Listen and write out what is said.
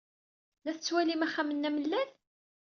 La tettwalim axxam-nni amellal?